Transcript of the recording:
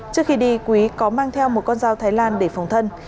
trước khi đi quý có mang theo một con dao thái lan để phòng thân